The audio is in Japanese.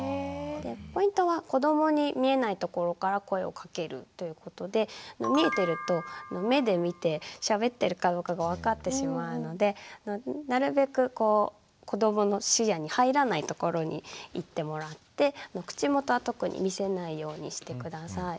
ポイントは子どもに見えないところから声をかけるということで見えてると目で見てしゃべってるかどうかが分かってしまうのでなるべく子どもの視野に入らないところに行ってもらって口元は特に見せないようにして下さい。